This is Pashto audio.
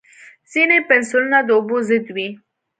ځینې پنسلونه د اوبو ضد وي.